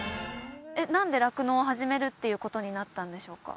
何で酪農を始めるっていうことになったんでしょうか？